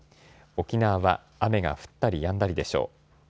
沖縄は雨が降ったりやんだりでしょう。